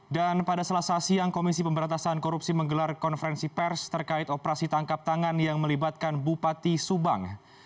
dan pada selasa siang komisi pemberantasan korupsi menggelar konferensi pers terkait operasi tangkap tangan yang melibatkan bupati subang